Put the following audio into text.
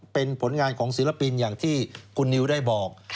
เป็นผลงานของศิลปินอย่างที่คุณนิวได้บอก